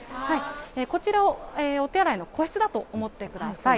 こちら、お手洗いの個室だと思ってください。